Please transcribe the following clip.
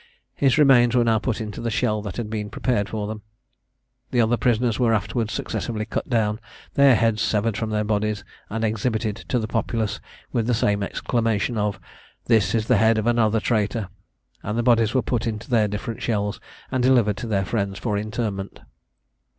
His remains were now put into the shell that had been prepared for them. The other prisoners were afterwards successively cut down, their heads severed from their bodies, and exhibited to the populace, with the same exclamation of, "This is the head of another traitor:" and the bodies were put into their different shells, and delivered to their friends for interment.